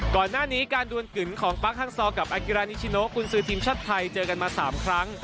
ก่อนหน้านี้การดวนกึ่งของปั๊กฮังซอร์กับอากิรานิชิโนกุญสือทีมชาติไทยเจอกันมา๓ครั้ง